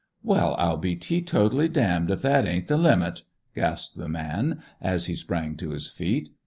"Well, I'll be teetotally damned if that ain't the limit!" gasped the man, as he sprang to his feet.